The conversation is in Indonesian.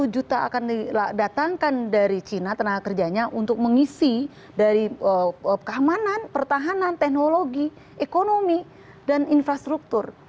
dua puluh juta akan didatangkan dari cina tenaga kerjanya untuk mengisi dari keamanan pertahanan teknologi ekonomi dan infrastruktur